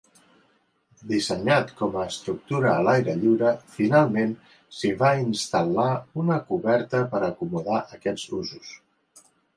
Dissenyat com a estructura a l'aire lliure, finalment s'hi va instal·lar una coberta per acomodar aquests usos.